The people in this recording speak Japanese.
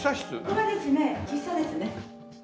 ここはですね喫茶ですね。